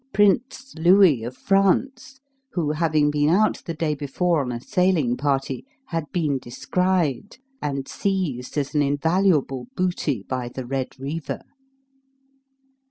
Prince Louis, of France, who having been out the day before on a sailing party, had been descried, and seized as an invaluable booty by the Red Reaver.